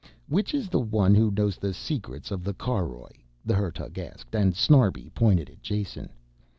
"Which is the one who knows the secrets of the caroj?" the Hertug asked and Snarbi pointed at Jason.